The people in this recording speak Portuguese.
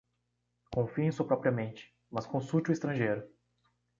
Confie em sua própria mente, mas consulte o estrangeiro.